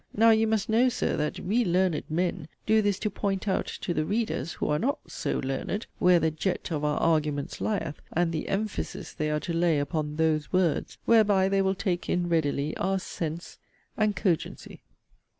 Now, you must know, Sir, that 'we learned men' do this to point out to the readers, who are not 'so learned,' where the 'jet of our arguments lieth,' and the 'emphasis' they are to lay upon 'those words'; whereby they will take in readily our 'sense' and 'cogency.'